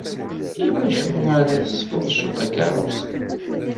I wacu ara tesqedceḍ takeṛṛust-a?